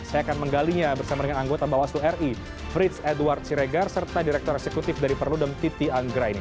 saya akan menggalinya bersama dengan anggota bawaslu ri frits edward siregar serta direktur eksekutif dari perludem titi anggra ini